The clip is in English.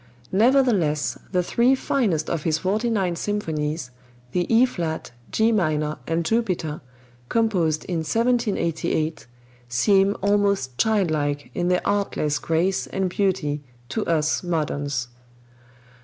Nevertheless, the three finest of his forty nine symphonies, the E flat, G minor and Jupiter, composed in 1788, seem almost childlike in their artless grace and beauty to us moderns.